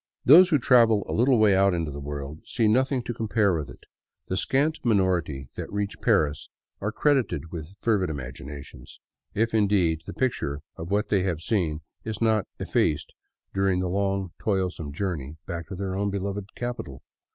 Those who travel a little way out into the world 26 THE CLOISTERED CITY see nothing to compare with it ; the scant minority that reach Paris are credited with fervid imaginations, if indeed the picture of what they have seen is not effaced during the long toilsome journey back to their own beloved capital.